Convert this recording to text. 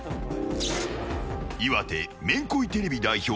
岩手めんこいテレビ代表